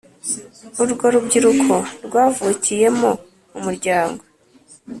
urwo rubyiruko rwavukiyemo umuryango.